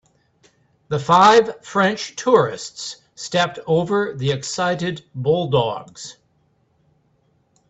The five French tourists stepped over the excited bulldogs.